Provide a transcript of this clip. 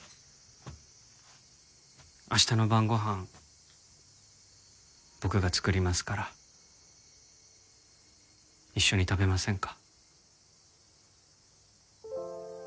明日の晩ご飯僕が作りますから一緒に食べませんか？